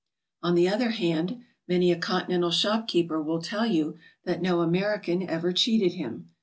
On the other hand, many a Continental shop keeper will tell you that no American ever cheated him.